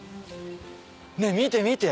ねっ見て見て。